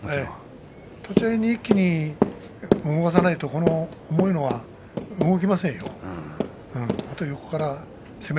立ち合いに一気に動かさないと、この重いのは動きませんよ。